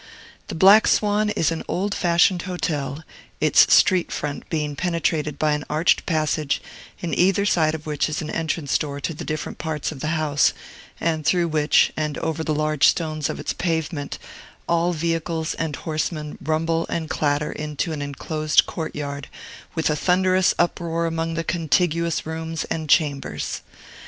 The Black Swan is an old fashioned hotel, its street front being penetrated by an arched passage, in either side of which is an entrance door to the different parts of the house, and through which, and over the large stones of its pavement, all vehicles and horsemen rumble and clatter into an enclosed courtyard, with a thunderous uproar among the contiguous rooms and chambers.